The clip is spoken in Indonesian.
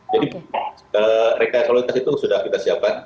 jadi reka seluruh lintas itu sudah kita siapkan